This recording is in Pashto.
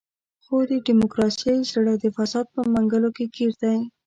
خو د ډیموکراسۍ زړه د فساد په منګولو کې ګیر دی.